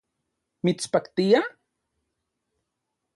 ¿Mitspaktia?